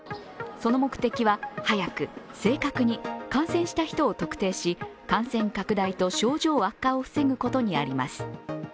その目的は、早く、正確に感染した人を特定し、感染拡大と症状悪化を防ぐことにあります。